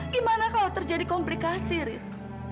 gimana kalau terjadi komplikasi riz